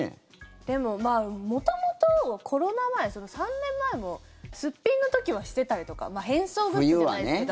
でも、元々コロナ前、３年前もすっぴんの時はしてたりとか変装グッズじゃないですけど。